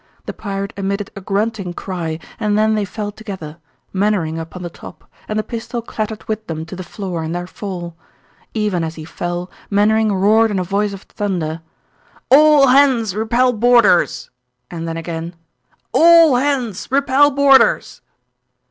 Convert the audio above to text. The pirate emitted a grunting cry and then they fell together, Mainwaring upon the top, and the pistol clattered with them to the floor in their fall. Even as he fell, Mainwaring roared in a voice of thunder, "All hands repel boarders!" And then again, "All hands repel boarders!"